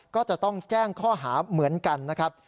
ก็จะต้องแจ้งข้อหาเหมือนกันนะครับ